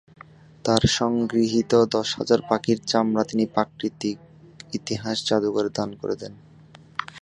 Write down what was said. তার সংগৃহীত দশ হাজার পাখির চামড়া তিনি প্রাকৃতিক ইতিহাস জাদুঘরে দান করে দেন।